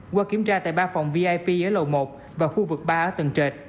qua kiểm tra tại ba phòng vip ở lầu một và khu vực ba ở tầng trệt